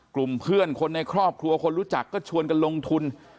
กลุ่มเพื่อนคนในครอบครัวคนรู้จักก็ชวนกันลงทุน